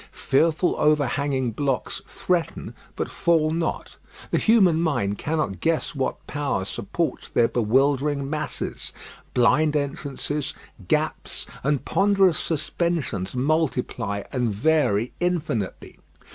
Fearful overhanging blocks threaten, but fall not: the human mind cannot guess what power supports their bewildering masses. Blind entrances, gaps, and ponderous suspensions multiply and vary infinitely.